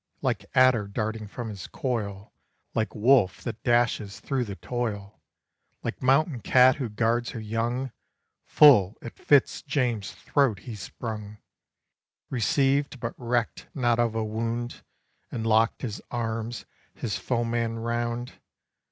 Like adder darting from his coil, Like wolf that dashes through the toil, Like mountain cat who guards her young, Full at Fitz James's throat he sprung; Received, but recked not of a wound, And locked his arms his foeman round.